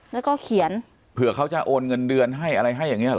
แล้วก็เขียนเผื่อเขาจะโอนเงินเดือนให้อะไรให้อย่างเงี้